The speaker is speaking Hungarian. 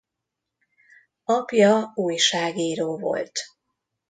Apja újságíró volt.